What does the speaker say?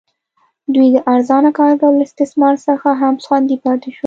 دوی د ارزانه کارګرو له استثمار څخه هم خوندي پاتې شول.